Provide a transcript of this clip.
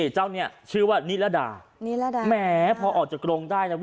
เจ้าเนี่ยชื่อว่านิรดานิรดาแหมพอออกจากกรงได้นะพี่